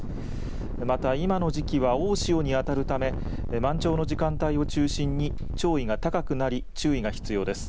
また今の時期は大潮にあたるため満潮の時間帯を中心に潮位が高くなり注意が必要です。